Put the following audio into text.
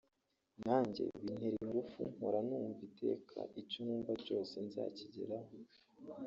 nanjye bintera ingufu mpora numva iteka icyo nifuza cyose nzakigeraho